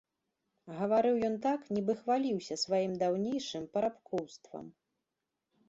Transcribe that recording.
Гаварыў ён так, нібы хваліўся сваім даўнейшым парабкоўствам.